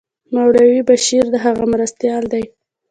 مولوي بشیر د هغه مرستیال دی.